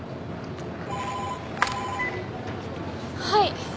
はい。